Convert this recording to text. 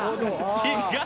違う。